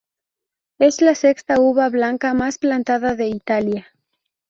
Es la sexta uva blanca más plantada de Italia.